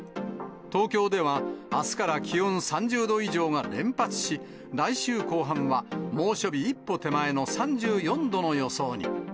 東京では、あすから気温３０度以上が連発し、来週後半は、猛暑日一歩手前の３４度の予想に。